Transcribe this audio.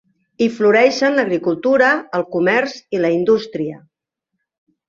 Hi floreixen l'agricultura, el comerç i la indústria.